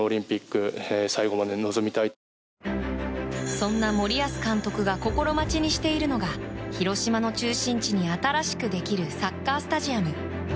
そんな森保監督が心待ちにしているのが広島の中心地に新しくできるサッカースタジアム。